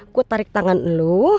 gue tarik tangan lo